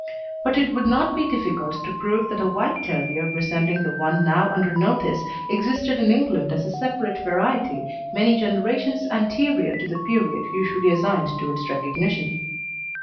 But it would not be difficult to prove that a white terrier resembling the one now under notice existed in England as a separate variety many generations anterior to the period usually assigned to its recognition.